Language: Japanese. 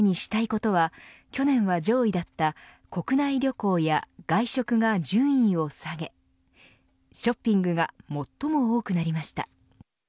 こうした中ストレス発散のためにしたいことは去年は上位だった国内旅行や外食が順位を下げショッピングが最も多くなりました。